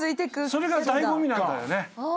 それが醍醐味なんだよね。